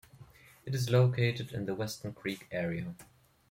It is located in the Weston Creek area.